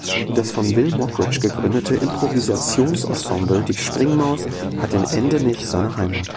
Das von Bill Mockridge gegründete Improvisationsensemble "Die Springmaus" hat in Endenich seine Heimat.